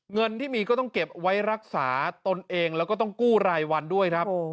เงินที่มีก็ต้องเก็บไว้รักษาตนเองแล้วก็ต้องกู้รายวันด้วยครับ